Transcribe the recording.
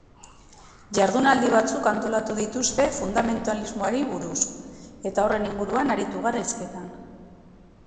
Jardunaldi batzuk antolatu dituzte fundamentalismoari buruz, eta horren inguruan aritu gara hizketan.